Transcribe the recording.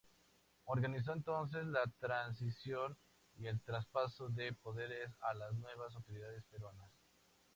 Organizó entonces la transición y el traspaso de poderes a las nuevas autoridades peruanas.